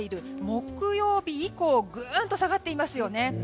木曜日以降グーンと下がっていますよね。